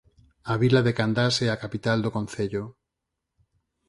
A vila de Candás é a capital do concello.